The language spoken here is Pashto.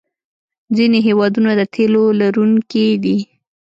ځینې هېوادونه د تیلو لرونکي دي.